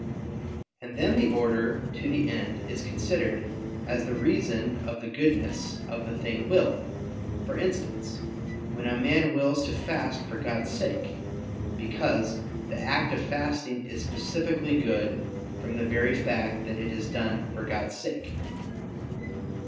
And then the order to the end is considered as the reason of the goodness of the thing willed: for instance, when a man wills to fast for God's sake; because the act of fasting is specifically good from the very fact that it is done for God's sake.